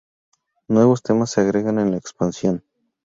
Nuevos temas se agregan en la expansión.